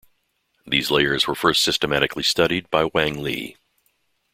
These layers were first systematically studied by Wang Li.